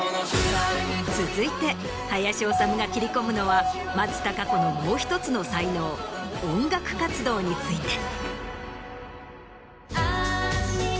続いて林修が切り込むのは松たか子のもう１つの才能音楽活動について。